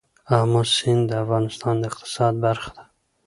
آمو سیند د افغانستان د اقتصاد برخه ده.